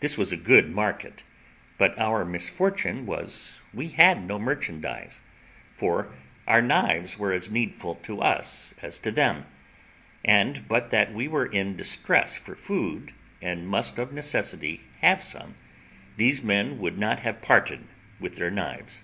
This was a good market, but our misfortune was we had no merchandise; for our knives were as needful to us as to them, and but that we were in distress for food, and must of necessity have some, these men would not have parted with their knives.